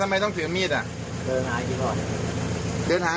กลับบ้านที่ไหน